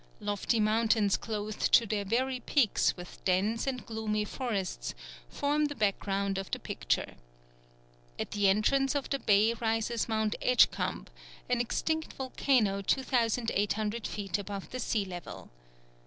Lofty mountains clothed to their very peaks with dense and gloomy forests form the background of the picture. At the entrance of the bay rises Mount Edgecumbe, an extinct volcano 2800 feet above the sea level.